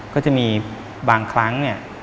ก็จะมีบางครั้ง